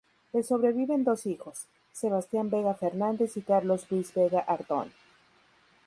Le sobreviven dos hijos: Sebastián Vega Fernández y Carlos Luis Vega Ardón.